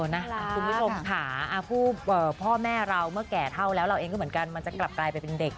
คุณผู้ชมค่ะพ่อแม่เราเมื่อแก่เท่าแล้วเราเองก็เหมือนกันมันจะกลับกลายไปเป็นเด็ก